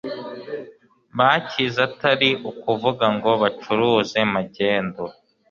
bacyize atari ukuvuga ngo bacuruje magendu